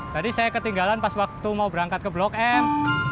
tadi saya ketinggalan pas waktu mau berangkat ke blok m